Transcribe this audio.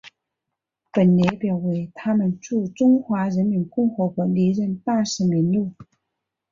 本列表为也门驻中华人民共和国历任大使名录。